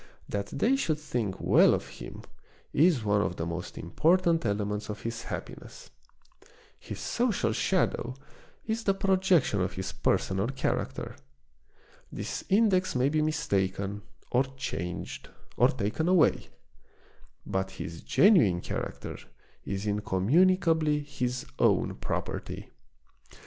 That they should think well of him is one of the most important elements of his happiness. His social shadow is the projection of his personal character. This index may be mistaken, or changed, or taken away ; but his genuine character is incommunicably his own property.